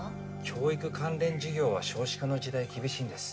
教育関連事業は少子化の時代厳しいんです。